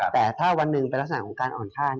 แต่ถ้าวันหนึ่งเป็นลักษณะของการอ่อนค่า